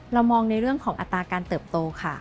เรามองในเรื่องของอัตราการเติบโตค่ะ